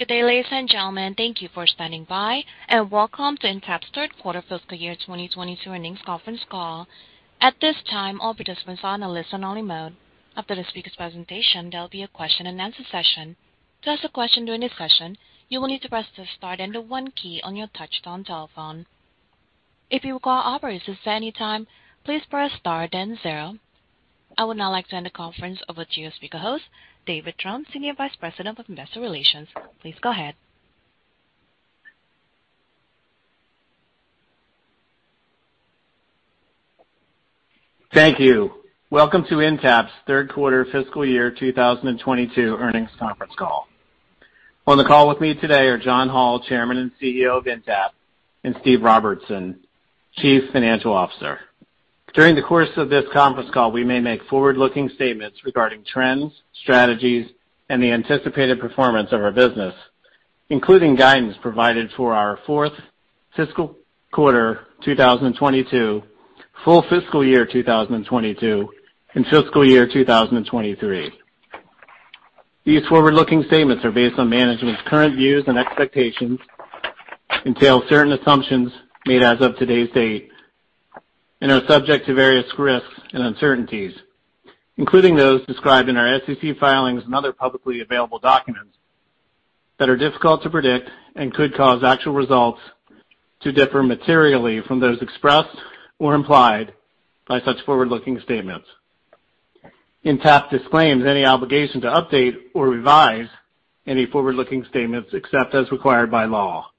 Good day, ladies and gentlemen. Thank you for standing by, and welcome to Intapp's third quarter fiscal year 2022 earnings conference call. At this time, all participants are on a listen-only mode. After the speaker's presentation, there'll be a question-and-answer session. To ask a question during this session, you will need to press the star then the one key on your touch-tone telephone. If you require operator assistance at any time, please press star then zero. I would now like to hand the conference over to your speaker host, David Trone, Senior Vice President of Investor Relations. Please go ahead. Thank you. Welcome to Intapp's third quarter fiscal year 2022 earnings conference call. On the call with me today are John Hall, Chairman and CEO of Intapp, and Steve Robertson, Chief Financial Officer. During the course of this conference call, we may make forward-looking statements regarding trends, strategies, and the anticipated performance of our business, including guidance provided for our fourth fiscal quarter 2022, full fiscal year 2022, and fiscal year 2023. These forward-looking statements are based on management's current views and expectations, entail certain assumptions made as of today's date, and are subject to various risks and uncertainties, including those described in our SEC filings and other publicly available documents that are difficult to predict and could cause actual results to differ materially from those expressed or implied by such forward-looking statements. Intapp disclaims any obligation to update or revise any forward-looking statements except as required by law.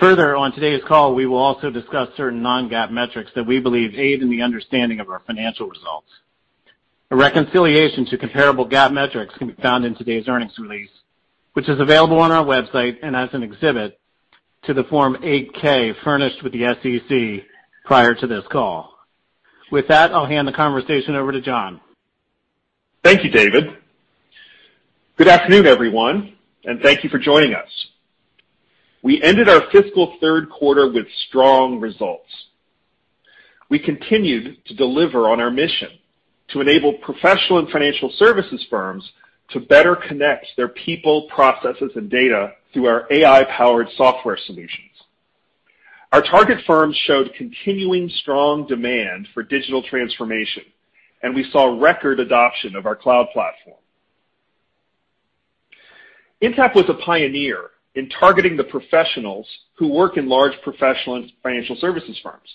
Further, on today's call, we will also discuss certain non-GAAP metrics that we believe aid in the understanding of our financial results. A reconciliation to comparable GAAP metrics can be found in today's earnings release, which is available on our website and as an exhibit to the Form 8-K furnished with the SEC prior to this call. With that, I'll hand the conversation over to John. Thank you, David. Good afternoon, everyone, and thank you for joining us. We ended our fiscal third quarter with strong results. We continued to deliver on our mission to enable professional and financial services firms to better connect their people, processes, and data through our AI-powered software solutions. Our target firms showed continuing strong demand for digital transformation, and we saw record adoption of our cloud platform. Intapp was a pioneer in targeting the professionals who work in large professional and financial services firms.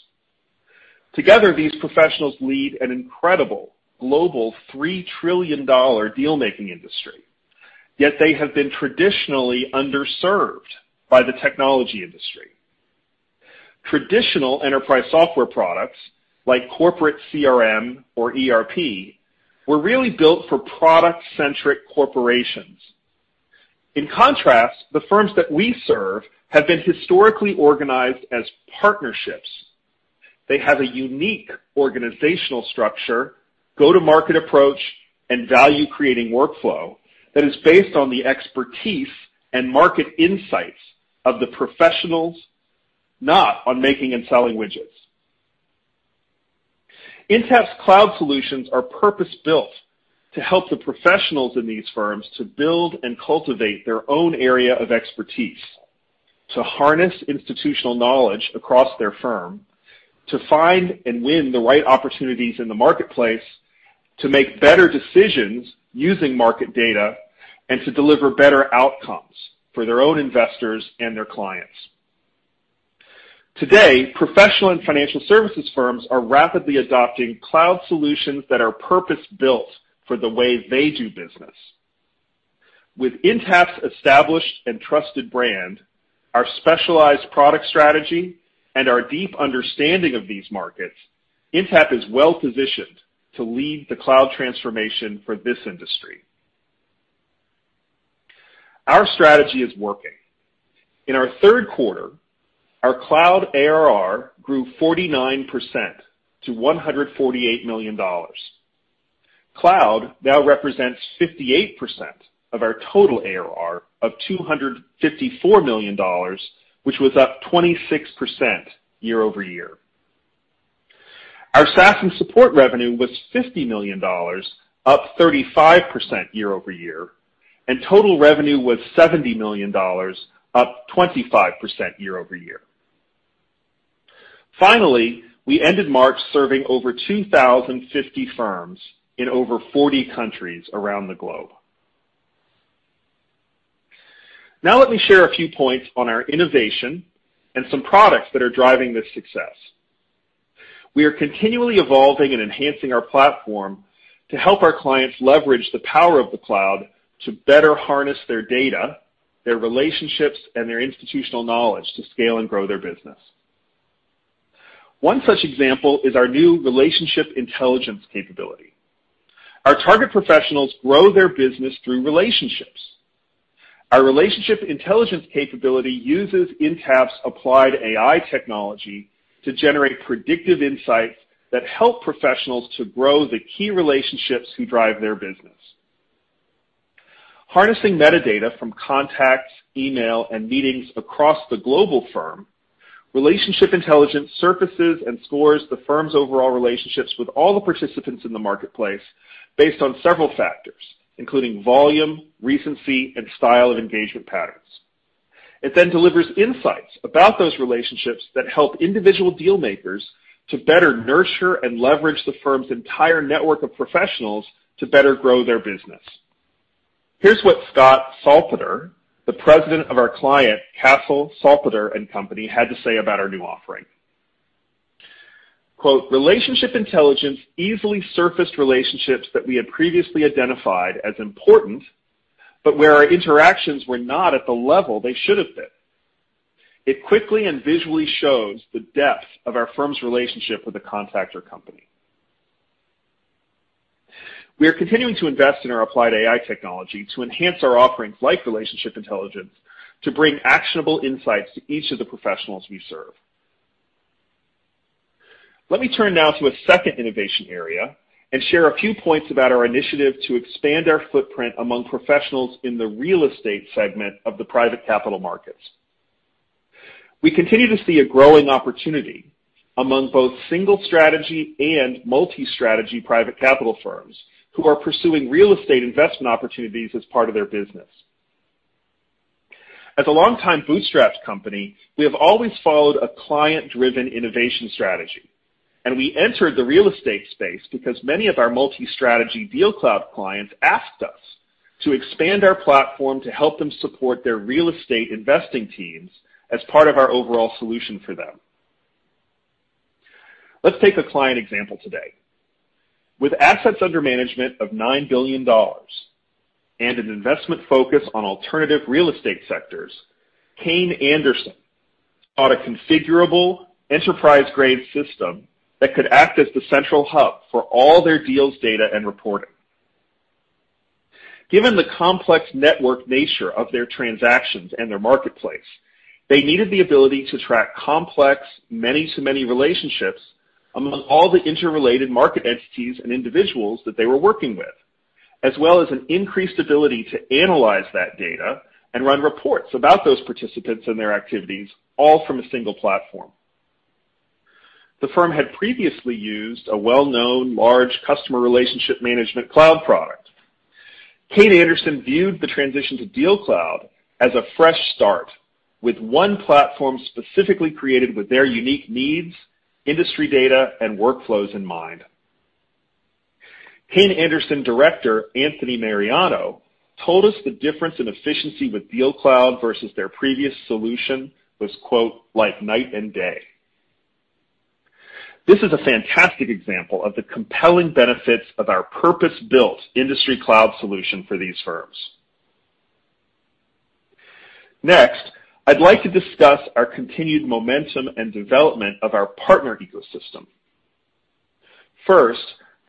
Together, these professionals lead an incredible global $3 trillion deal-making industry. Yet they have been traditionally underserved by the technology industry. Traditional enterprise software products like corporate CRM or ERP were really built for product-centric corporations. In contrast, the firms that we serve have been historically organized as partnerships. They have a unique organizational structure, go-to-market approach, and value-creating workflow that is based on the expertise and market insights of the professionals, not on making and selling widgets. Intapp's cloud solutions are purpose-built to help the professionals in these firms to build and cultivate their own area of expertise, to harness institutional knowledge across their firm, to find and win the right opportunities in the marketplace, to make better decisions using market data, and to deliver better outcomes for their own investors and their clients. Today, professional and financial services firms are rapidly adopting cloud solutions that are purpose-built for the way they do business. With Intapp's established and trusted brand, our specialized product strategy, and our deep understanding of these markets, Intapp is well-positioned to lead the cloud transformation for this industry. Our strategy is working. In our third quarter, our cloud ARR grew 49% to $148 million. Cloud now represents 58% of our total ARR of $254 million, which was up 26% year-over-year. Our SaaS and support revenue was $50 million, up 35% year-over-year, and total revenue was $70 million, up 25% year-over-year. Finally, we ended March serving over 2,050 firms in over 40 countries around the globe. Now let me share a few points on our innovation and some products that are driving this success. We are continually evolving and enhancing our platform to help our clients leverage the power of the cloud to better harness their data, their relationships, and their institutional knowledge to scale and grow their business. One such example is our new relationship intelligence capability. Our target professionals grow their business through relationships. Our relationship intelligence capability uses Intapp's applied AI technology to generate predictive insights that help professionals to grow the key relationships who drive their business. Harnessing metadata from contacts, email, and meetings across the global firm. Relationship intelligence surfaces and scores the firm's overall relationships with all the participants in the marketplace based on several factors, including volume, recency, and style of engagement patterns. It then delivers insights about those relationships that help individual deal makers to better nurture and leverage the firm's entire network of professionals to better grow their business. Here's what Scott Salpeter, President of our client, Cassel Salpeter & Co., had to say about our new offering. Quote, "Relationship intelligence easily surfaced relationships that we had previously identified as important, but where our interactions were not at the level they should have been. It quickly and visually shows the depth of our firm's relationship with a contact or company. We are continuing to invest in our applied AI technology to enhance our offerings like relationship intelligence to bring actionable insights to each of the professionals we serve. Let me turn now to a second innovation area and share a few points about our initiative to expand our footprint among professionals in the real estate segment of the private capital markets. We continue to see a growing opportunity among both single strategy and multi-strategy private capital firms who are pursuing real estate investment opportunities as part of their business. As a longtime bootstrapped company, we have always followed a client-driven innovation strategy, and we entered the real estate space because many of our multi-strategy DealCloud clients asked us to expand our platform to help them support their real estate investing teams as part of our overall solution for them. Let's take a client example today. With assets under management of $9 billion and an investment focus on alternative real estate sectors, Kayne Anderson bought a configurable enterprise-grade system that could act as the central hub for all their deals, data, and reporting. Given the complex network nature of their transactions and their marketplace, they needed the ability to track complex many to many relationships among all the interrelated market entities and individuals that they were working with, as well as an increased ability to analyze that data and run reports about those participants and their activities, all from a single platform. The firm had previously used a well-known large customer relationship management cloud product. Kayne Anderson viewed the transition to DealCloud as a fresh start with one platform specifically created with their unique needs, industry data, and workflows in mind. Kayne Anderson Director, Anthony Mariano, told us the difference in efficiency with DealCloud versus their previous solution was, quote, "like night and day." This is a fantastic example of the compelling benefits of our purpose-built industry cloud solution for these firms. Next, I'd like to discuss our continued momentum and development of our partner ecosystem. First,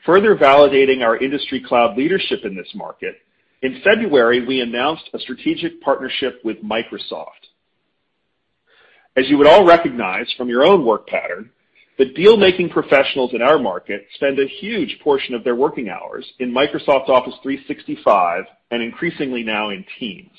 further validating our industry cloud leadership in this market, in February, we announced a strategic partnership with Microsoft. As you would all recognize from your own work pattern, the deal-making professionals in our market spend a huge portion of their working hours in Microsoft 365 and increasingly now in Teams.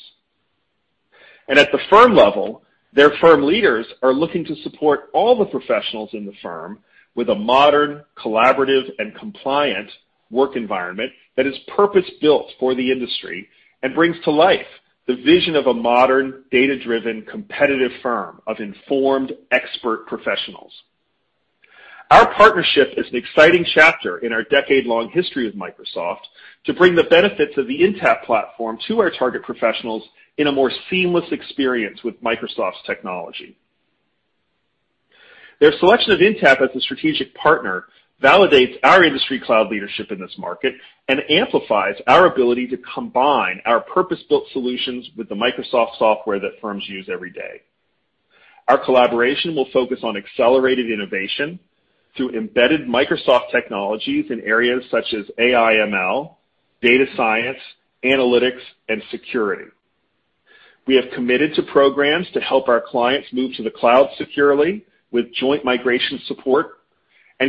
At the firm level, their firm leaders are looking to support all the professionals in the firm with a modern, collaborative, and compliant work environment that is purpose-built for the industry and brings to life the vision of a modern, data-driven, competitive firm of informed expert professionals. Our partnership is an exciting chapter in our decade-long history with Microsoft to bring the benefits of the Intapp platform to our target professionals in a more seamless experience with Microsoft's technology. Their selection of Intapp as a strategic partner validates our industry cloud leadership in this market and amplifies our ability to combine our purpose-built solutions with the Microsoft software that firms use every day. Our collaboration will focus on accelerated innovation through embedded Microsoft technologies in areas such as AI ML, data science, analytics, and security. We have committed to programs to help our clients move to the cloud securely with joint migration support.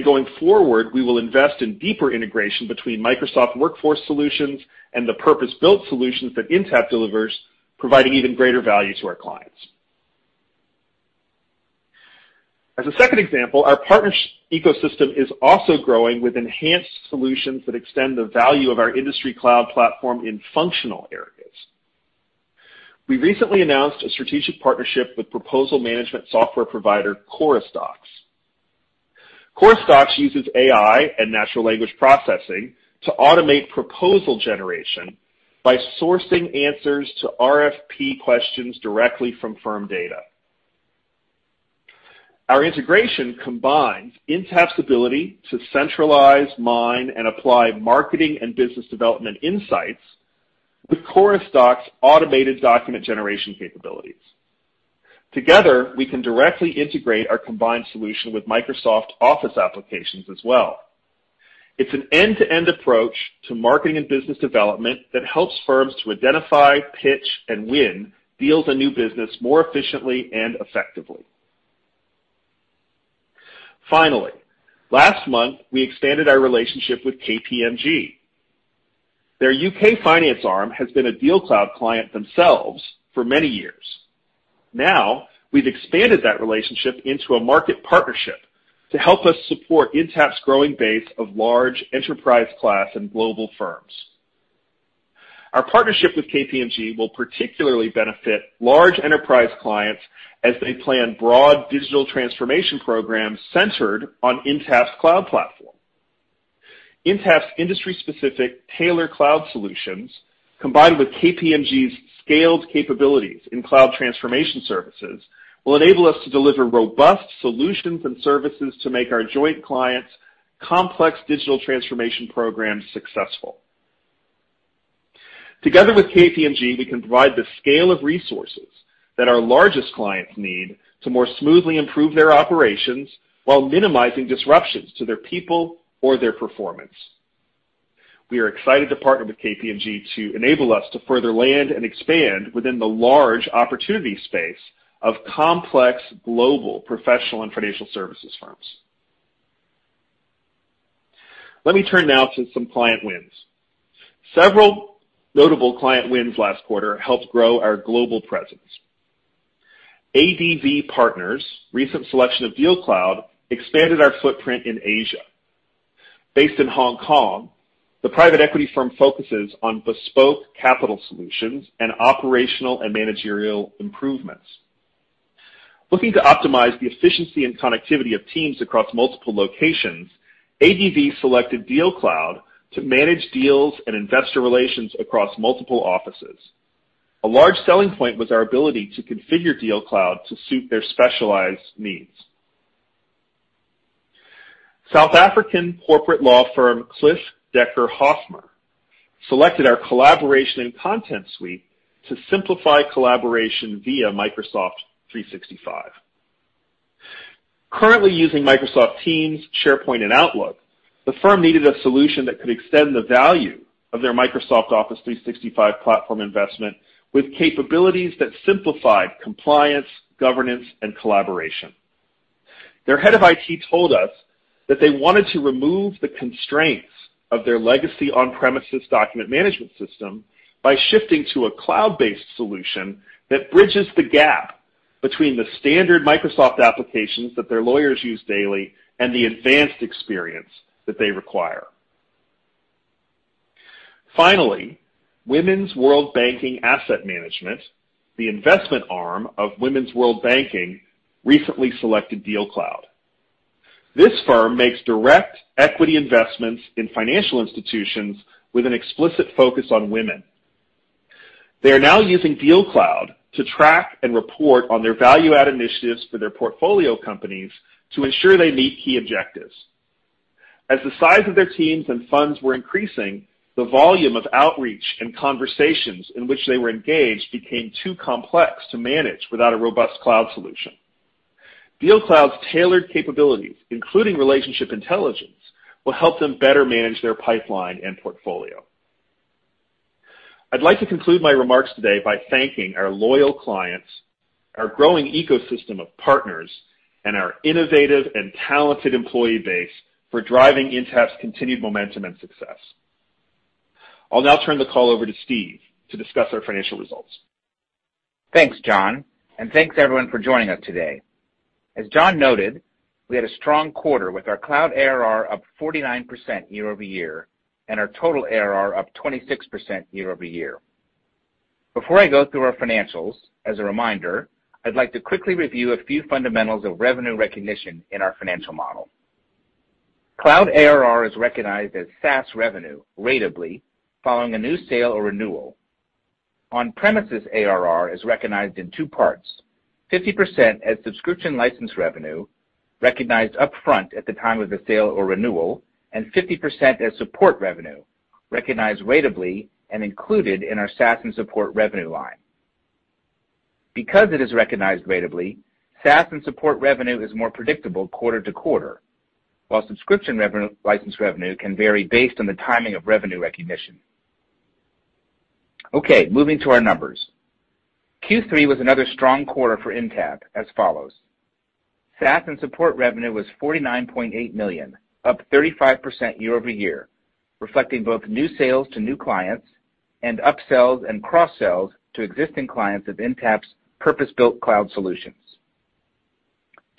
Going forward, we will invest in deeper integration between Microsoft Workforce solutions and the purpose-built solutions that Intapp delivers, providing even greater value to our clients. As a second example, our partners ecosystem is also growing with enhanced solutions that extend the value of our industry cloud platform in functional areas. We recently announced a strategic partnership with proposal management software provider QorusDocs. QorusDocs uses AI and natural language processing to automate proposal generation by sourcing answers to RFP questions directly from firm data. Our integration combines Intapp's ability to centralize, mine, and apply marketing and business development insights with QorusDocs automated document generation capabilities. Together, we can directly integrate our combined solution with Microsoft Office applications as well. It's an end-to-end approach to marketing and business development that helps firms to identify, pitch, and win deals and new business more efficiently and effectively. Finally, last month, we expanded our relationship with KPMG. Their UK finance arm has been a DealCloud client themselves for many years. Now, we've expanded that relationship into a market partnership to help us support Intapp's growing base of large enterprise class and global firms. Our partnership with KPMG will particularly benefit large enterprise clients as they plan broad digital transformation programs centered on Intapp's cloud platform. Intapp's industry-specific tailored cloud solutions, combined with KPMG's scaled capabilities in cloud transformation services, will enable us to deliver robust solutions and services to make our joint clients' complex digital transformation programs successful. Together with KPMG, we can provide the scale of resources that our largest clients need to more smoothly improve their operations while minimizing disruptions to their people or their performance. We are excited to partner with KPMG to enable us to further land and expand within the large opportunity space of complex global, professional, and financial services firms. Let me turn now to some client wins. Several notable client wins last quarter helped grow our global presence. ADV Partners' recent selection of DealCloud expanded our footprint in Asia. Based in Hong Kong, the private equity firm focuses on bespoke capital solutions and operational and managerial improvements. Looking to optimize the efficiency and connectivity of teams across multiple locations, ADV selected DealCloud to manage deals and investor relations across multiple offices. A large selling point was our ability to configure DealCloud to suit their specialized needs. South African corporate law firm Cliffe Dekker Hofmeyr selected our Collaboration & Content Suite to simplify collaboration via Microsoft 365. Currently using Microsoft Teams, SharePoint, and Outlook, the firm needed a solution that could extend the value of their Microsoft Office 365 platform investment with capabilities that simplified compliance, governance, and collaboration. Their head of IT told us that they wanted to remove the constraints of their legacy on-premises document management system by shifting to a cloud-based solution that bridges the gap between the standard Microsoft applications that their lawyers use daily and the advanced experience that they require. Finally, Women's World Banking Asset Management, the investment arm of Women's World Banking, recently selected DealCloud. This firm makes direct equity investments in financial institutions with an explicit focus on women. They are now using DealCloud to track and report on their value-add initiatives for their portfolio companies to ensure they meet key objectives. As the size of their teams and funds were increasing, the volume of outreach and conversations in which they were engaged became too complex to manage without a robust cloud solution. DealCloud's tailored capabilities, including relationship intelligence, will help them better manage their pipeline and portfolio. I'd like to conclude my remarks today by thanking our loyal clients, our growing ecosystem of partners, and our innovative and talented employee base for driving Intapp's continued momentum and success. I'll now turn the call over to Steve to discuss our financial results. Thanks, John, and thanks everyone for joining us today. As John noted, we had a strong quarter with our cloud ARR up 49% year-over-year, and our total ARR up 26% year-over-year. Before I go through our financials, as a reminder, I'd like to quickly review a few fundamentals of revenue recognition in our financial model. Cloud ARR is recognized as SaaS revenue ratably following a new sale or renewal. On-premises ARR is recognized in two parts, 50% as subscription license revenue, recognized upfront at the time of the sale or renewal, and 50% as support revenue, recognized ratably and included in our SaaS and support revenue line. Because it is recognized ratably, SaaS and support revenue is more predictable quarter to quarter, while subscription license revenue can vary based on the timing of revenue recognition. Okay, moving to our numbers. Q3 was another strong quarter for Intapp, as follows. SaaS and support revenue was $49.8 million, up 35% year-over-year, reflecting both new sales to new clients and upsells and cross-sells to existing clients of Intapp's purpose-built cloud solutions.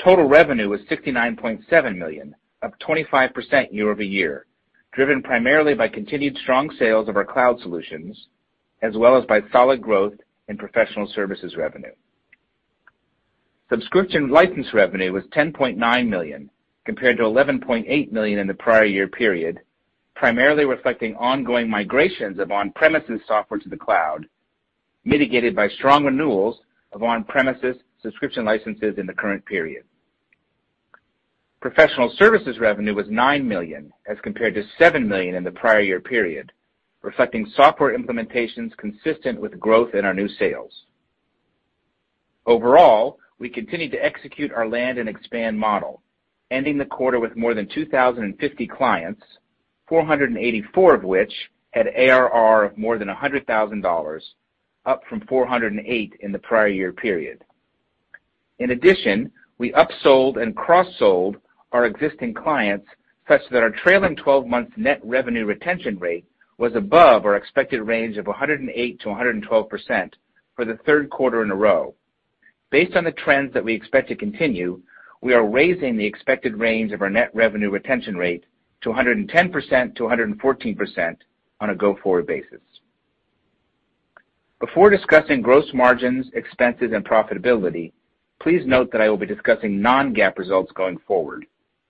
Total revenue was $69.7 million, up 25% year-over-year, driven primarily by continued strong sales of our cloud solutions, as well as by solid growth in professional services revenue. Subscription license revenue was $10.9 million, compared to $11.8 million in the prior year period, primarily reflecting ongoing migrations of on-premises software to the cloud, mitigated by strong renewals of on-premises subscription licenses in the current period. Professional services revenue was $9 million, as compared to $7 million in the prior year period, reflecting software implementations consistent with growth in our new sales. Overall, we continued to execute our land and expand model, ending the quarter with more than 2,050 clients. 484 of which had ARR of more than $100,000, up from 408 in the prior year period. In addition, we upsold and cross-sold our existing clients such that our trailing twelve months net revenue retention rate was above our expected range of 108%-112% for the third quarter in a row. Based on the trends that we expect to continue, we are raising the expected range of our net revenue retention rate to 110%-114% on a go-forward basis. Before discussing gross margins, expenses, and profitability, please note that I will be discussing non-GAAP results going forward.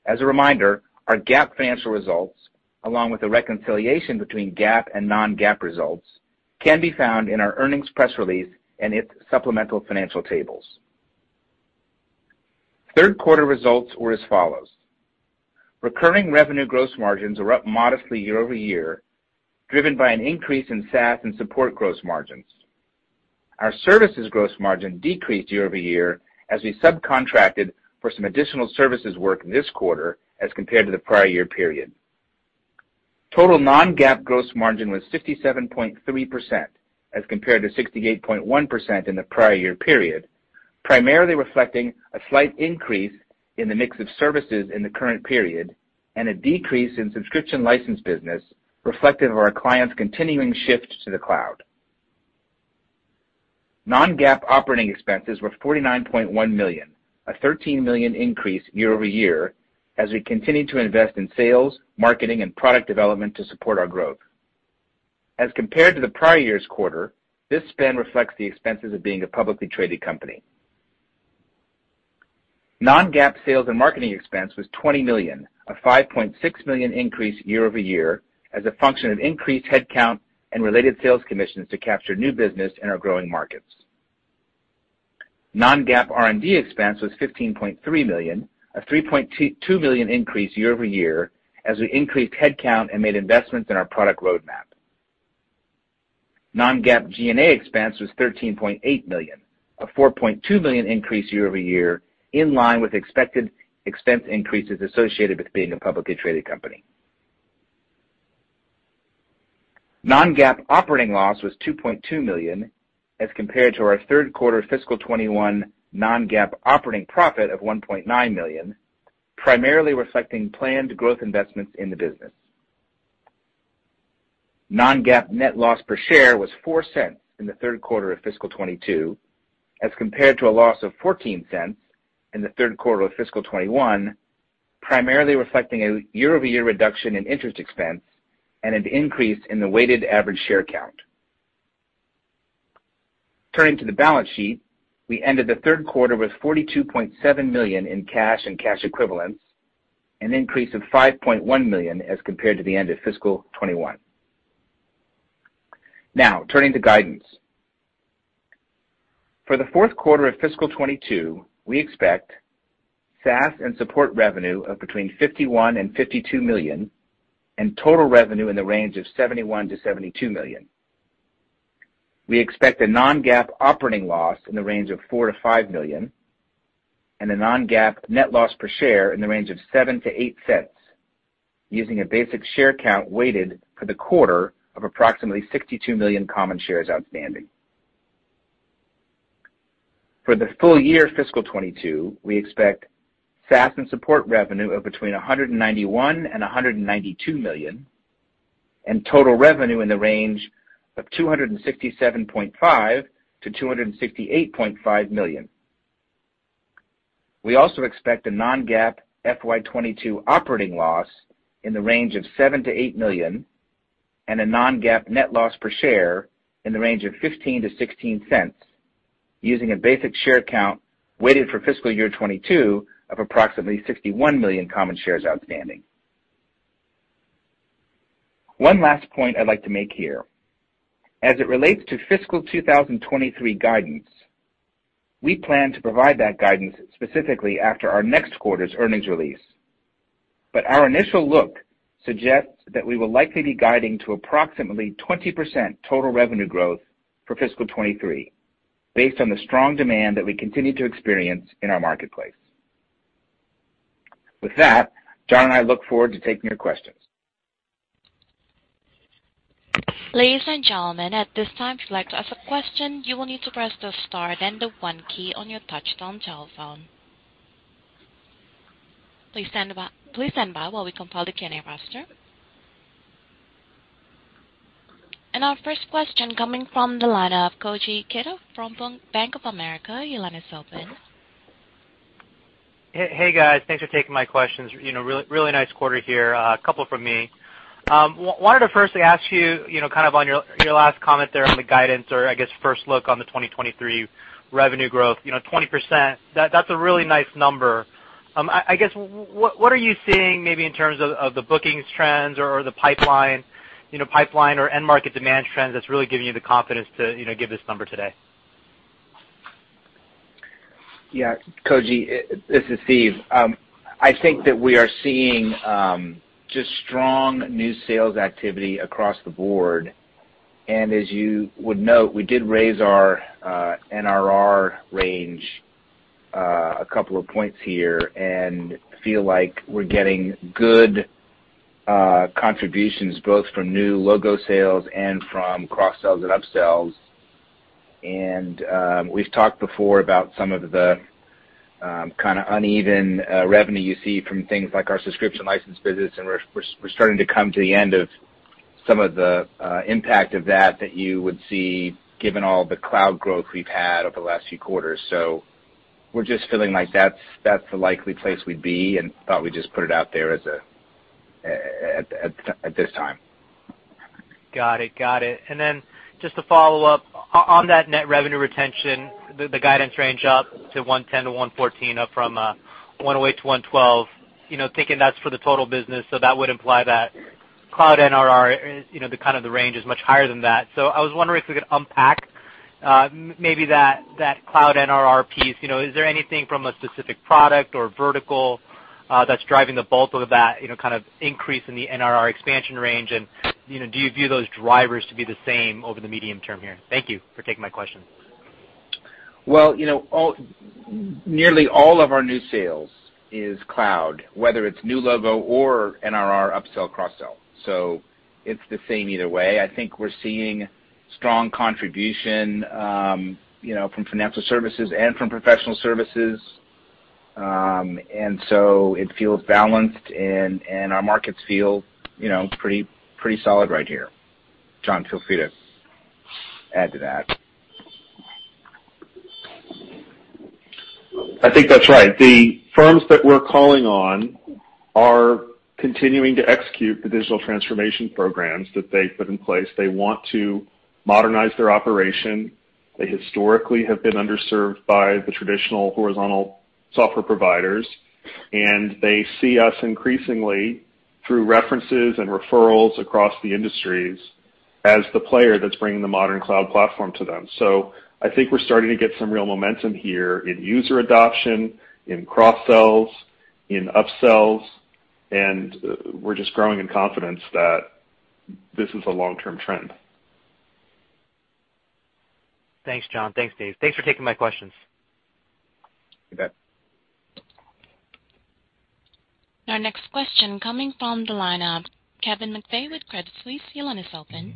As a reminder, our GAAP financial results, along with a reconciliation between GAAP and non-GAAP results, can be found in our earnings press release and its supplemental financial tables. Third quarter results were as follows. Recurring revenue gross margins were up modestly year over year, driven by an increase in SaaS and support gross margins. Our services gross margin decreased year over year as we subcontracted for some additional services work this quarter as compared to the prior year period. Total non-GAAP gross margin was 67.3% as compared to 68.1% in the prior year period, primarily reflecting a slight increase in the mix of services in the current period and a decrease in subscription license business reflective of our clients' continuing shift to the cloud. Non-GAAP operating expenses were $49.1 million, a $13 million increase year-over-year as we continue to invest in sales, marketing, and product development to support our growth. As compared to the prior year's quarter, this spend reflects the expenses of being a publicly traded company. Non-GAAP sales and marketing expense was $20 million, a $5.6 million increase year-over-year as a function of increased headcount and related sales commissions to capture new business in our growing markets. Non-GAAP R&D expense was $15.3 million, a $3.2 million increase year-over-year as we increased headcount and made investments in our product roadmap. Non-GAAP G&A expense was $13.8 million, a $4.2 million increase year-over-year, in line with expected expense increases associated with being a publicly traded company. Non-GAAP operating loss was $2.2 million as compared to our third quarter fiscal 2021 non-GAAP operating profit of $1.9 million, primarily reflecting planned growth investments in the business. Non-GAAP net loss per share was $0.04 in the third quarter of fiscal 2022, as compared to a loss of $0.14 in the third quarter of fiscal 2021, primarily reflecting a year-over-year reduction in interest expense and an increase in the weighted average share count. Turning to the balance sheet, we ended the third quarter with $42.7 million in cash and cash equivalents, an increase of $5.1 million as compared to the end of fiscal 2021. Now, turning to guidance. For the fourth quarter of fiscal 2022, we expect SaaS and support revenue of between $51 million and $52 million, and total revenue in the range of $71 million-$72 million. We expect a non-GAAP operating loss in the range of $4 million-$5 million, and a non-GAAP net loss per share in the range of $0.07-$0.08, using a basic share count weighted for the quarter of approximately 62 million common shares outstanding. For the full year fiscal 2022, we expect SaaS and support revenue of between $191 million and $192 million, and total revenue in the range of $267.5 million-$268.5 million. We also expect a non-GAAP FY 2022 operating loss in the range of $7 million-$8 million and a non-GAAP net loss per share in the range of $0.15-$0.16, using a basic share count weighted for fiscal year 2022 of approximately 61 million common shares outstanding. One last point I'd like to make here. As it relates to fiscal 2023 guidance, we plan to provide that guidance specifically after our next quarter's earnings release. Our initial look suggests that we will likely be guiding to approximately 20% total revenue growth for fiscal 2023, based on the strong demand that we continue to experience in our marketplace. With that, John and I look forward to taking your questions. Ladies and gentlemen, at this time, if you'd like to ask a question, you will need to press the star then the one key on your touchtone telephone. Please stand by, please stand by while we compile the Q&A roster. Our first question coming from the line of Koji Ikeda from Bank of America. Your line is open. Hey, guys. Thanks for taking my questions. You know, really nice quarter here. A couple from me. Wanted to firstly ask you know, kind of on your last comment there on the guidance or I guess first look on the 2023 revenue growth. You know, 20%, that's a really nice number. I guess, what are you seeing maybe in terms of the bookings trends or the pipeline, you know, or end market demand trends that's really giving you the confidence to, you know, give this number today? Yeah, Koji, this is Steve. I think that we are seeing just strong new sales activity across the board. As you would note, we did raise our NRR range a couple of points here and feel like we're getting good contributions both from new logo sales and from cross-sells and up-sells. We've talked before about some of the kinda uneven revenue you see from things like our subscription license business, and we're starting to come to the end of some of the impact of that that you would see given all the cloud growth we've had over the last few quarters. We're just feeling like that's the likely place we'd be, and thought we'd just put it out there at this time. Got it. Just to follow up, on that net revenue retention, the guidance range up to 110%-114% up from 108%-112%, you know, taking that's for the total business, so that would imply that cloud NRR, you know, the kind of the range is much higher than that. I was wondering if we could unpack maybe that cloud NRR piece. You know, is there anything from a specific product or vertical that's driving the bulk of that, you know, kind of increase in the NRR expansion range? You know, do you view those drivers to be the same over the medium term here? Thank you for taking my questions. Well, you know, nearly all of our new sales is cloud, whether it's new logo or NRR up-sell, cross-sell. It's the same either way. I think we're seeing strong contribution, you know, from financial services and from professional services. It feels balanced and our markets feel, you know, pretty solid right here. John, feel free to add to that. I think that's right. The firms that we're calling on are continuing to execute the digital transformation programs that they've put in place. They want to modernize their operation. They historically have been underserved by the traditional horizontal software providers, and they see us increasingly through references and referrals across the industries as the player that's bringing the modern cloud platform to them. I think we're starting to get some real momentum here in user adoption, in cross-sells, in up-sells, and we're just growing in confidence that this is a long-term trend. Thanks, John. Thanks, Dave. Thanks for taking my questions. You bet. Our next question coming from the line of Kevin McVeigh with Credit Suisse. Please, your line is open.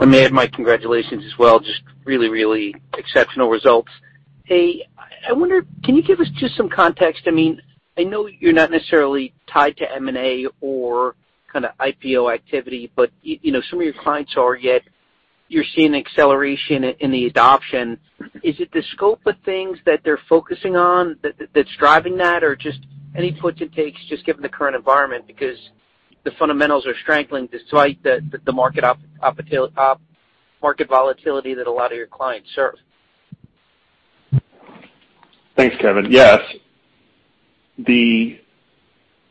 Let me add my congratulations as well. Just really, really exceptional results. Hey, I wonder, can you give us just some context? I mean, I know you're not necessarily tied to M&A or kinda IPO activity, but you know, some of your clients are yet you're seeing acceleration in the adoption. Is it the scope of things that they're focusing on that's driving that? Or just any puts and takes just given the current environment because the fundamentals are strong despite the market volatility that a lot of your clients serve. Thanks, Kevin. Yes. The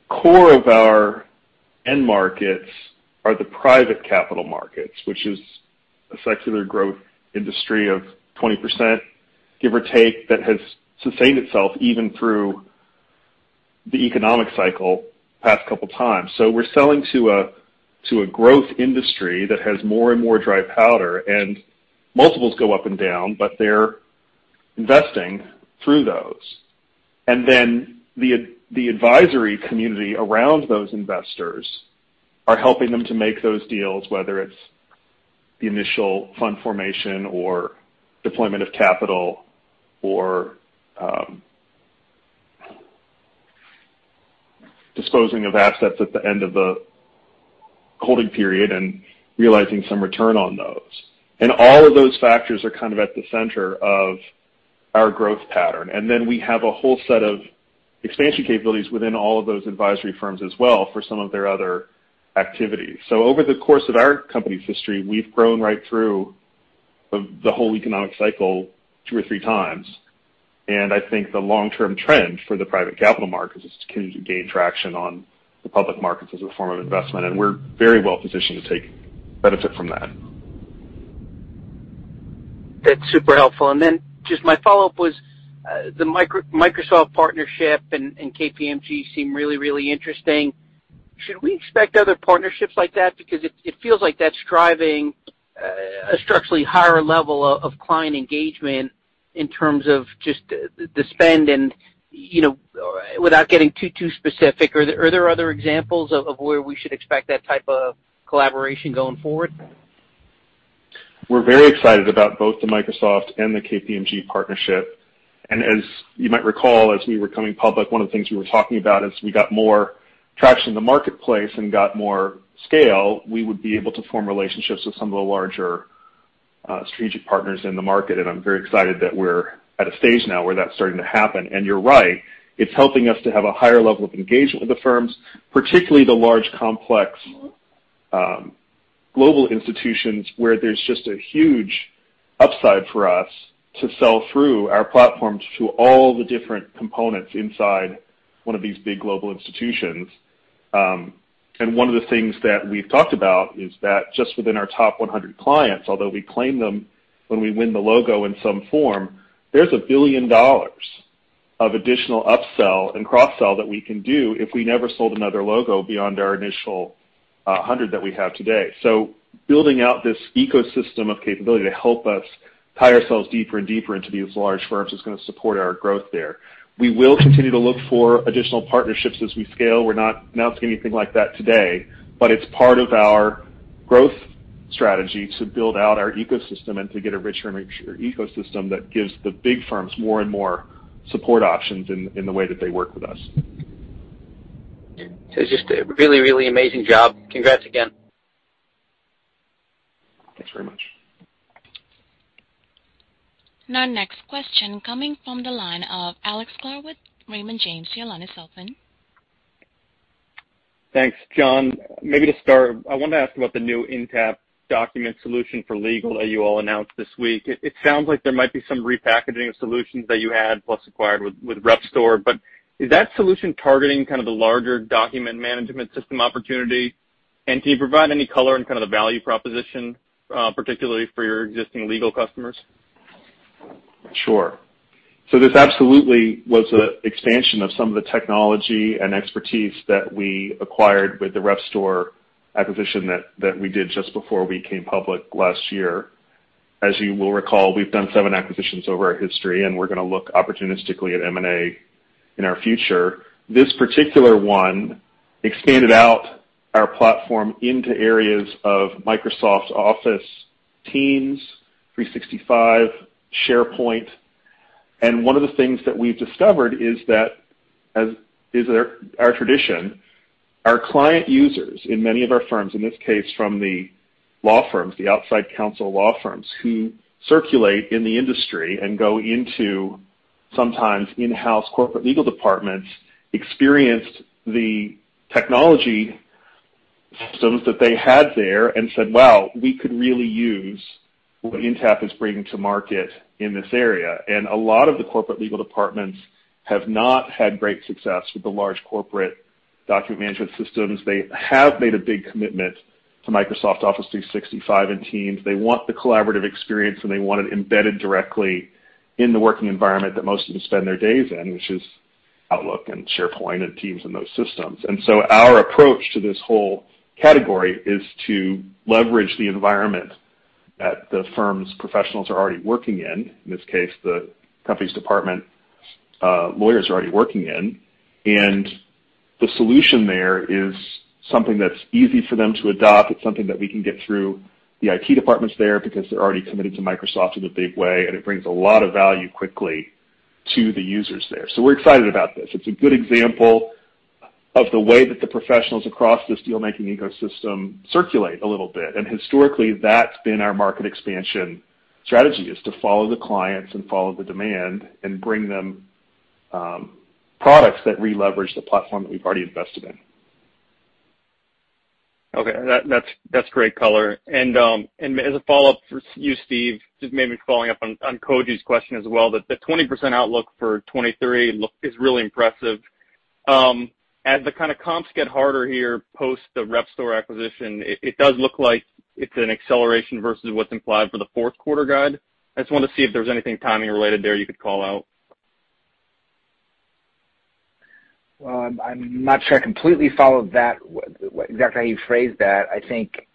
core of our end markets are the private capital markets, which is a secular growth industry of 20%, give or take, that has sustained itself even through the economic cycle past couple times. We're selling to a growth industry that has more and more dry powder, and multiples go up and down, but they're investing through those. The advisory community around those investors are helping them to make those deals, whether it's the initial fund formation or deployment of capital or disposing of assets at the end of the holding period and realizing some return on those. All of those factors are kind of at the center of our growth pattern. We have a whole set of expansion capabilities within all of those advisory firms as well for some of their other activities. Over the course of our company's history, we've grown right through the whole economic cycle two or three times. I think the long-term trend for the private capital markets is to continue to gain traction on the public markets as a form of investment, and we're very well positioned to take benefit from that. That's super helpful. Just my follow-up was, the Microsoft partnership and KPMG seem really interesting. Should we expect other partnerships like that? Because it feels like that's driving a structurally higher level of client engagement in terms of just the spend and, you know, without getting too specific, are there other examples of where we should expect that type of collaboration going forward? We're very excited about both the Microsoft and the KPMG partnership. As you might recall, as we were coming public, one of the things we were talking about, as we got more traction in the marketplace and got more scale, we would be able to form relationships with some of the larger, strategic partners in the market. I'm very excited that we're at a stage now where that's starting to happen. You're right, it's helping us to have a higher level of engagement with the firms, particularly the large, complex, global institutions, where there's just a huge upside for us to sell through our platforms to all the different components inside one of these big global institutions. One of the things that we've talked about is that just within our top 100 clients, although we claim them when we win the logo in some form, there's $1 billion of additional upsell and cross-sell that we can do if we never sold another logo beyond our initial, 100 that we have today. Building out this ecosystem of capability to help us tie ourselves deeper and deeper into these large firms is gonna support our growth there. We will continue to look for additional partnerships as we scale. We're not announcing anything like that today, but it's part of our growth strategy to build out our ecosystem and to get a richer and richer ecosystem that gives the big firms more and more support options in the way that they work with us. just a really, really amazing job. Congrats again. Thanks very much. Now next question coming from the line of Alexander Sklar with Raymond James. Your line is open. Thanks, John. Maybe to start, I wanted to ask about the new Intapp document solution for legal that you all announced this week. It sounds like there might be some repackaging of solutions that you had plus acquired with Repstor. Is that solution targeting kind of the larger document management system opportunity? Can you provide any color in kind of the value proposition, particularly for your existing legal customers? Sure. This absolutely was an expansion of some of the technology and expertise that we acquired with the Repstor acquisition that we did just before we came public last year. As you will recall, we've done seven acquisitions over our history, and we're gonna look opportunistically at M&A in our future. This particular one expanded out our platform into areas of Microsoft Teams, 365, SharePoint. One of the things that we've discovered is that, as is our tradition, our client users in many of our firms, in this case from the law firms, the outside counsel law firms who circulate in the industry and go into sometimes in-house corporate legal departments, experienced the technology systems that they had there and said, "Wow, we could really use what Intapp is bringing to market in this area." A lot of the corporate legal departments have not had great success with the large corporate document management systems. They have made a big commitment to Microsoft Office 365 and Teams. They want the collaborative experience, and they want it embedded directly in the working environment that most of them spend their days in, which is Outlook and SharePoint and Teams and those systems. Our approach to this whole category is to leverage the environment that the firm's professionals are already working in this case, the company's departments, lawyers are already working in. The solution there is something that's easy for them to adopt. It's something that we can get through the IT departments there because they're already committed to Microsoft in a big way, and it brings a lot of value quickly to the users there. We're excited about this. It's a good example of the way that the professionals across this deal-making ecosystem circulate a little bit. Historically, that's been our market expansion strategy, is to follow the clients and follow the demand and bring them, products that re-leverage the platform that we've already invested in. Okay. That's great color. As a follow-up for you, Steve, just maybe following up on Koji's question as well, the 20% outlook for 2023 is really impressive. As the kind of comps get harder here post the Repstor acquisition, it does look like it's an acceleration versus what's implied for the fourth quarter guide. I just wanted to see if there was anything timing related there you could call out. I'm not sure I completely followed that exactly how you phrased that. I think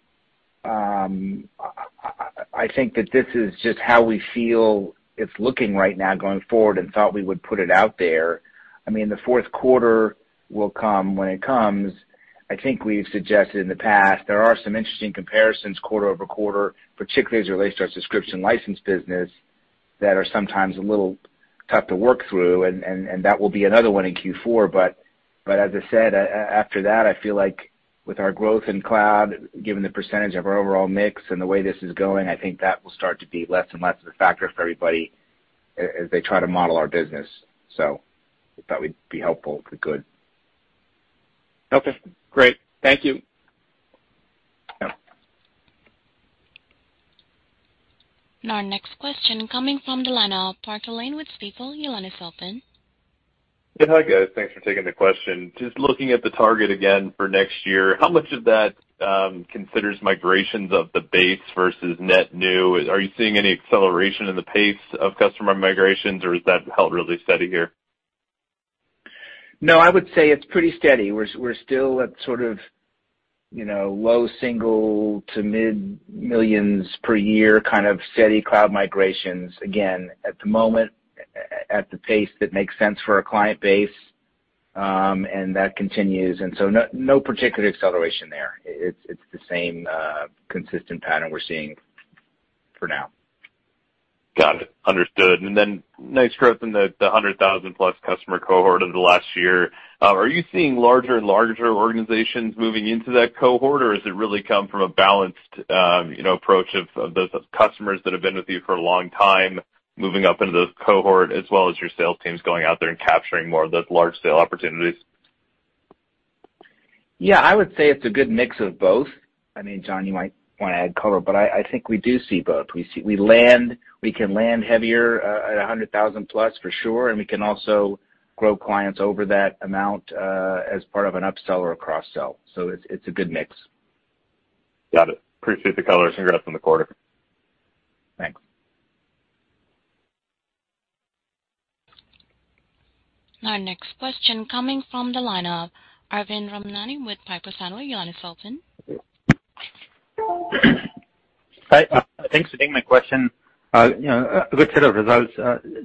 that this is just how we feel it's looking right now going forward and thought we would put it out there. I mean, the fourth quarter will come when it comes. I think we've suggested in the past there are some interesting comparisons quarter-over-quarter, particularly as it relates to our subscription license business, that are sometimes a little tough to work through, and that will be another one in Q4. As I said, after that, I feel like with our growth in cloud, given the percentage of our overall mix and the way this is going, I think that will start to be less and less of a factor for everybody as they try to model our business. If that would be helpful, good. Okay, great. Thank you. Yeah. Our next question coming from the line of Parker Lane with Stifel. Your line is open. Yeah. Hi, guys. Thanks for taking the question. Just looking at the target again for next year, how much of that considers migrations of the base versus net new? Are you seeing any acceleration in the pace of customer migrations, or has that held really steady here? No, I would say it's pretty steady. We're still at sort of, you know, low single to mid-millions per year kind of steady cloud migrations, again, at the moment, at the pace that makes sense for our client base, and that continues. No particular acceleration there. It's the same consistent pattern we're seeing for now. Got it. Understood. Nice growth in the 100,000-plus customer cohort over the last year. Are you seeing larger and larger organizations moving into that cohort, or has it really come from a balanced approach of those customers that have been with you for a long time moving up into the cohort as well as your sales teams going out there and capturing more of those large sale opportunities? Yeah. I would say it's a good mix of both. I mean, John, you might wanna add color, but I think we do see both. We see we can land heavier at $100,000+ for sure, and we can also grow clients over that amount as part of an upsell or a cross-sell. It's a good mix. Got it. Appreciate the color. Congrats on the quarter. Thanks. Our next question coming from the line of Arvind Ramnani with Piper Sandler. Your line is open. Hi. Thanks for taking my question. You know, a good set of results.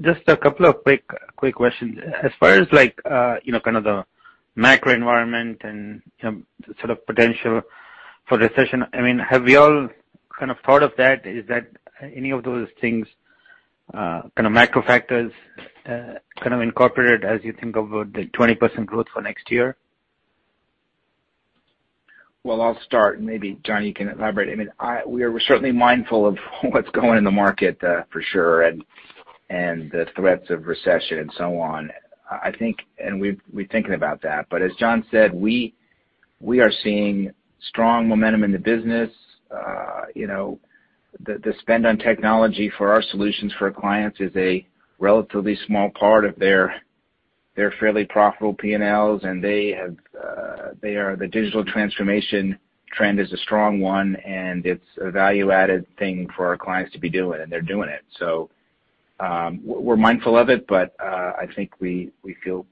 Just a couple of quick questions. As far as like, you know, kind of the macro environment and, you know, sort of potential for recession, I mean, have you all kind of thought of that? Is that any of those things, kind of macro factors, kind of incorporated as you think about the 20% growth for next year? Well, I'll start, and maybe John, you can elaborate. I mean, we're certainly mindful of what's going on in the market, for sure, and the threats of recession and so on. We're thinking about that. As John said, we are seeing strong momentum in the business. You know, the spend on technology for our solutions for our clients is a relatively small part of their fairly profitable PNLs. The digital transformation trend is a strong one, and it's a value-added thing for our clients to be doing, and they're doing it. We're mindful of it, but I think we feel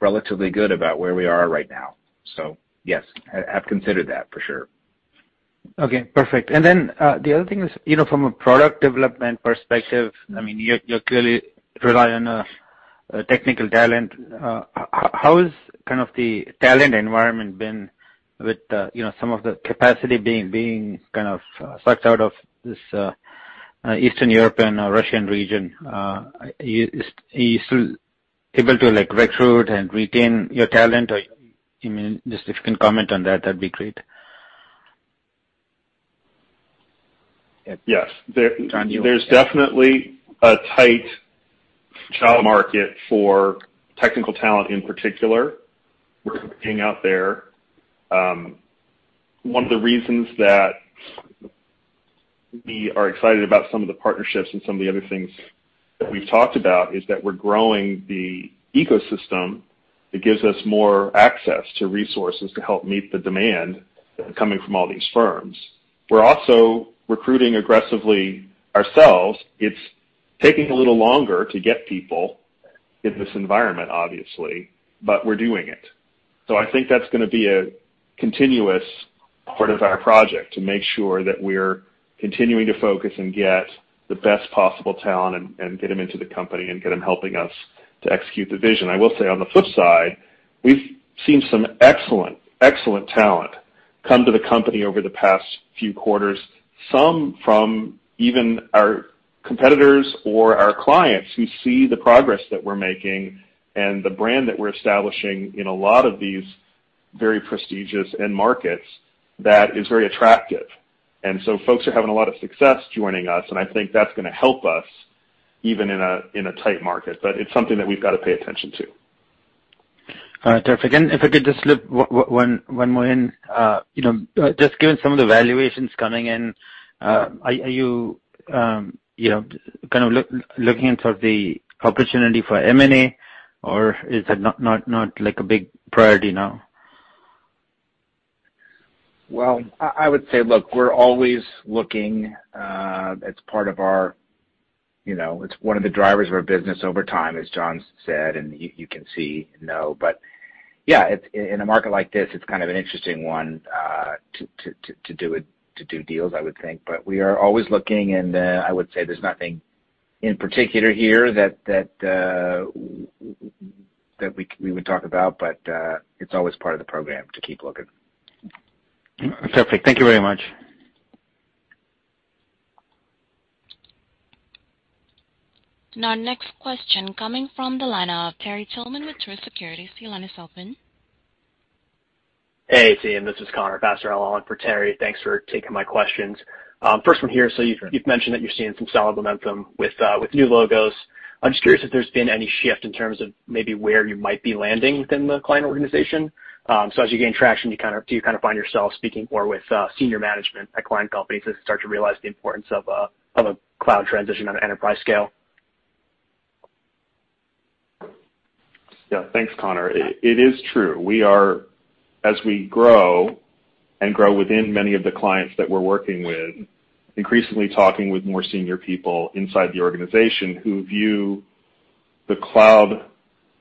relatively good about where we are right now. Yes, have considered that for sure. Okay, perfect. The other thing is, you know, from a product development perspective, I mean, you clearly rely on a technical talent. How is kind of the talent environment been with, you know, some of the capacity being kind of sucked out of this Eastern European or Russian region? Are you still able to, like, recruit and retain your talent? Or, I mean, just if you can comment on that'd be great. Yes. Yes. John, do you want to There's definitely a tight job market for technical talent in particular. We're competing out there. One of the reasons that we are excited about some of the partnerships and some of the other things that we've talked about is that we're growing the ecosystem that gives us more access to resources to help meet the demand coming from all these firms. We're also recruiting aggressively ourselves. It's taking a little longer to get people in this environment, obviously, but we're doing it. I think that's gonna be a continuous part of our project, to make sure that we're continuing to focus and get the best possible talent and get them into the company and get them helping us to execute the vision. I will say on the flip side, we've seen some excellent talent come to the company over the past few quarters, some from even our competitors or our clients who see the progress that we're making and the brand that we're establishing in a lot of these very prestigious end markets that is very attractive. Folks are having a lot of success joining us, and I think that's gonna help us even in a tight market. It's something that we've got to pay attention to. All right. Terrific. If I could just slip one more in. You know, just given some of the valuations coming in, are you know, kind of looking into the opportunity for M&A, or is it not like a big priority now? I would say, look, we're always looking. It's part of our, you know, it's one of the drivers of our business over time, as John's said, and you can see and know. Yeah, it's in a market like this, it's kind of an interesting one to do deals, I would think. We are always looking, and I would say there's nothing in particular here that we would talk about. It's always part of the program to keep looking. Perfect. Thank you very much. Our next question coming from the line of Terry Tillman with Truist Securities. Your line is open. Hey, team. This is Connor Passarella on for Terry. Thanks for taking my questions. First one here. You've mentioned that you're seeing some solid momentum with new logos. I'm just curious if there's been any shift in terms of maybe where you might be landing within the client organization. As you gain traction, do you kind of find yourself speaking more with senior management at client companies as they start to realize the importance of a cloud transition on an enterprise scale? Yeah. Thanks, Connor. It is true. We are, as we grow and grow within many of the clients that we're working with, increasingly talking with more senior people inside the organization who view the cloud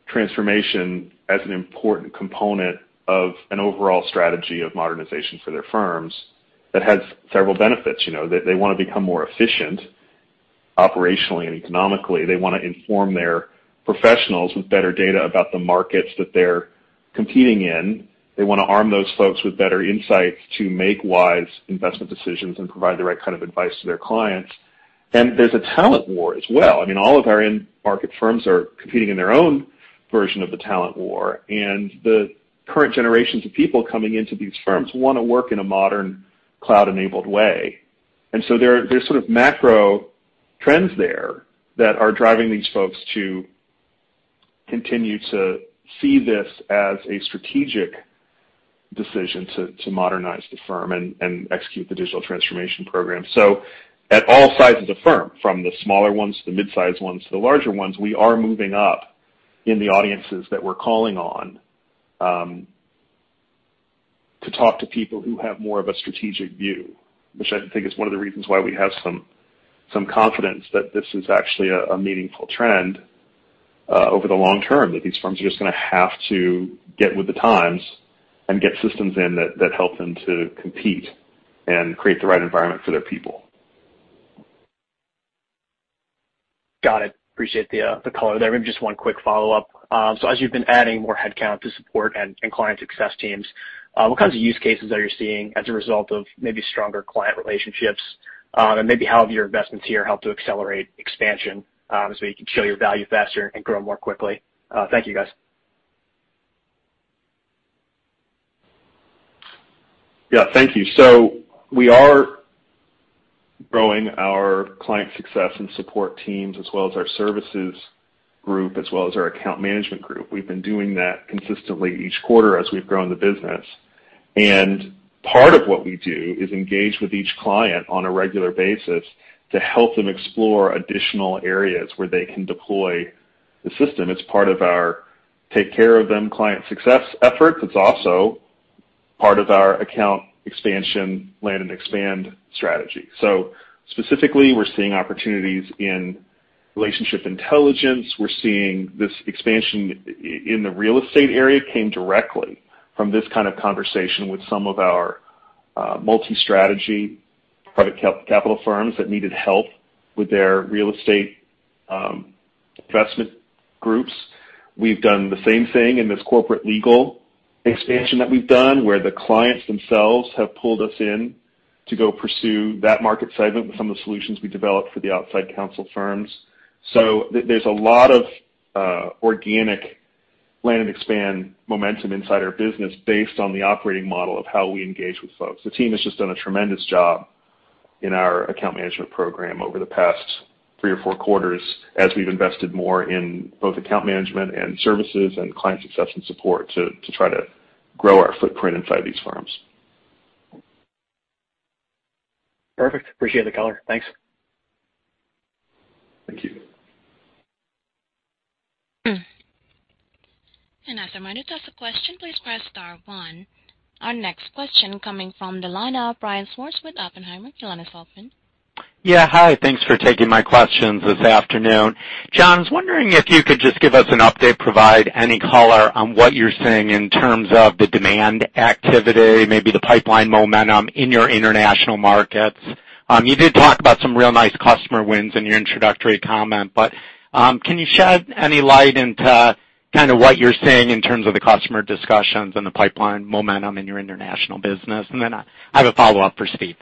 transformation as an important component of an overall strategy of modernization for their firms that has several benefits. You know, they wanna become more efficient operationally and economically. They wanna inform their professionals with better data about the markets that they're competing in. They wanna arm those folks with better insights to make wise investment decisions and provide the right kind of advice to their clients. There's a talent war as well. I mean, all of our end market firms are competing in their own version of the talent war, and the current generations of people coming into these firms wanna work in a modern cloud-enabled way. There are sort of macro trends there that are driving these folks to continue to see this as a strategic decision to modernize the firm and execute the digital transformation program. At all sizes of firm, from the smaller ones, the mid-size ones to the larger ones, we are moving up in the audiences that we're calling on to talk to people who have more of a strategic view, which I think is one of the reasons why we have some confidence that this is actually a meaningful trend over the long term. That these firms are just gonna have to get with the times and get systems in that help them to compete and create the right environment for their people. Got it. Appreciate the color there. Maybe just one quick follow-up. As you've been adding more headcount to support and client success teams, what kinds of use cases are you seeing as a result of maybe stronger client relationships, and maybe how have your investments here helped to accelerate expansion, so you can show your value faster and grow more quickly? Thank you, guys. Yeah. Thank you. We are growing our client success and support teams as well as our services group, as well as our account management group. We've been doing that consistently each quarter as we've grown the business. Part of what we do is engage with each client on a regular basis to help them explore additional areas where they can deploy the system. It's part of our take care of them client success efforts. It's also part of our account expansion land and expand strategy. Specifically, we're seeing opportunities in relationship intelligence. We're seeing this expansion in the real estate area came directly from this kind of conversation with some of our multi-strategy private capital firms that needed help with their real estate investment groups. We've done the same thing in this corporate legal expansion that we've done, where the clients themselves have pulled us in to go pursue that market segment with some of the solutions we developed for the outside counsel firms. There's a lot of organic land and expand momentum inside our business based on the operating model of how we engage with folks. The team has just done a tremendous job in our account management program over the past three or four quarters as we've invested more in both account management and services and client success and support to try to grow our footprint inside these firms. Perfect. Appreciate the color. Thanks. Thank you. As a reminder, to ask a question, please press star one. Our next question coming from the line of Brian Schwartz with Oppenheimer. Your line is open. Yeah. Hi. Thanks for taking my questions this afternoon. John, I was wondering if you could just give us an update, provide any color on what you're seeing in terms of the demand activity, maybe the pipeline momentum in your international markets. You did talk about some real nice customer wins in your introductory comment, but, can you shed any light into kinda what you're seeing in terms of the customer discussions and the pipeline momentum in your international business? And then I have a follow-up for Steve.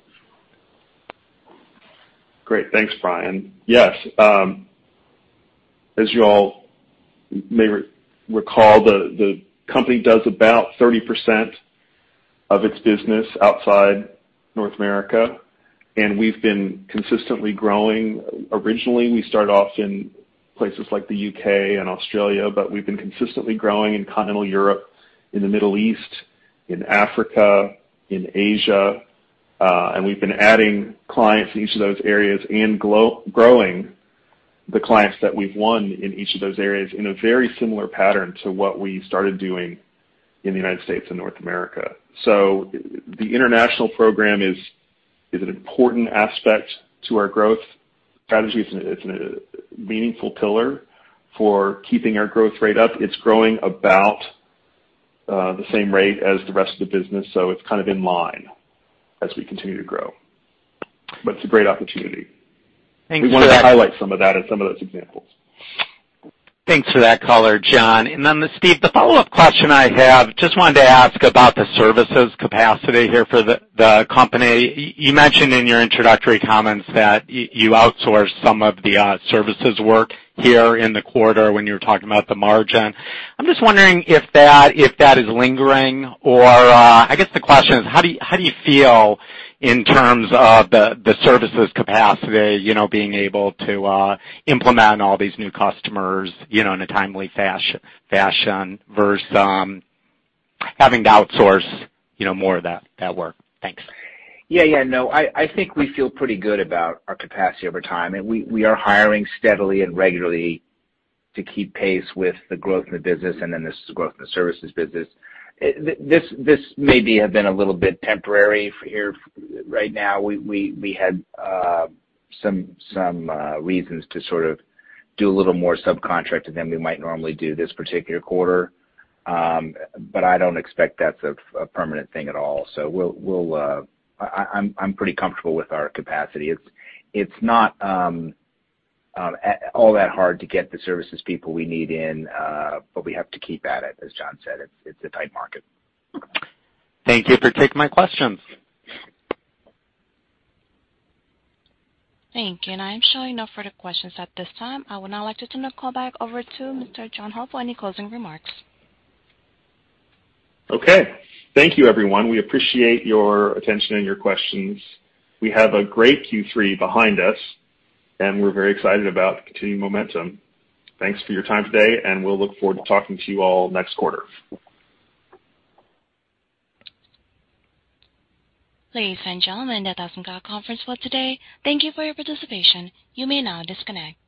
Great. Thanks, Brian. Yes, as you all may recall, the company does about 30% of its business outside North America, and we've been consistently growing. Originally, we started off in places like the UK and Australia, but we've been consistently growing in continental Europe, in the Middle East, in Africa, in Asia, and we've been adding clients in each of those areas and growing the clients that we've won in each of those areas in a very similar pattern to what we started doing in the United States and North America. The international program is an important aspect to our growth strategy. It's a meaningful pillar for keeping our growth rate up. It's growing about the same rate as the rest of the business, it's kind of in line as we continue to grow. It's a great opportunity. Thanks for that. We wanted to highlight some of that and some of those examples. Thanks for that color, John. To Steve, the follow-up question I have, just wanted to ask about the services capacity here for the company. You mentioned in your introductory comments that you outsourced some of the services work here in the quarter when you were talking about the margin. I'm just wondering if that is lingering or I guess the question is how do you feel in terms of the services capacity, you know, being able to implement all these new customers, you know, in a timely fashion versus having to outsource, you know, more of that work? Thanks. Yeah. Yeah. No. I think we feel pretty good about our capacity over time, and we are hiring steadily and regularly to keep pace with the growth in the business and then the growth in the services business. This may have been a little bit temporary for here right now. We had some reasons to sort of do a little more subcontract than we might normally do this particular quarter, but I don't expect that's a permanent thing at all. So we'll. I'm pretty comfortable with our capacity. It's not all that hard to get the services people we need in, but we have to keep at it, as John said. It's a tight market. Thank you for taking my questions. Thank you. I am showing no further questions at this time. I would now like to turn the call back over to Mr. John Hall for any closing remarks. Okay. Thank you, everyone. We appreciate your attention and your questions. We have a great Q3 behind us, and we're very excited about the continued momentum. Thanks for your time today, and we'll look forward to talking to you all next quarter. Ladies and gentlemen, that does end our conference call today. Thank you for your participation. You may now disconnect.